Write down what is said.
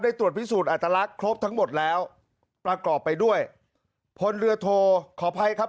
ตรวจพิสูจนอัตลักษณ์ครบทั้งหมดแล้วประกอบไปด้วยพลเรือโทขออภัยครับ